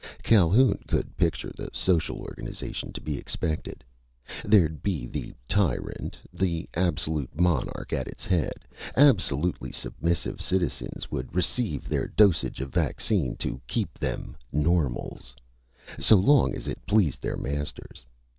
Calhoun could picture the social organization to be expected. There'd be the tyrant; the absolute monarch at its head. Absolutely submissive citizens would receive their dosage of vaccine to keep them "normals" so long as it pleased their masters.